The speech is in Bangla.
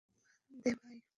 বাদ দে ভাই।